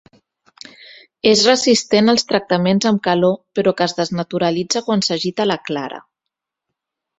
És resistent als tractaments amb calor però que es desnaturalitza quan s'agita la clara.